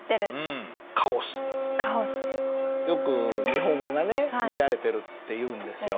よく日本語がね乱れてるって言うんですよ。